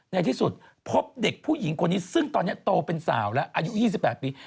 ในที่สุดพบเด็กผู้หญิงคนนี้ซึ่งตอนนี้โตเป็นสาวแล้วอายุ๒๘ปี